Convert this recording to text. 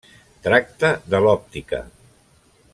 Tracta de l'òptica.